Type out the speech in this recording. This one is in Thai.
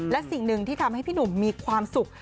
และสิ่งหนึ่งที่ทำให้พี่หนุ่มมีความสุข